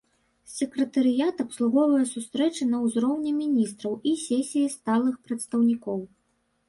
Сакратарыят абслугоўвае сустрэчы на ўзроўні міністраў і сесіі сталых прадстаўнікоў.